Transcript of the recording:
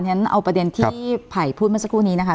ฉันเอาประเด็นที่ไผ่พูดเมื่อสักครู่นี้นะคะ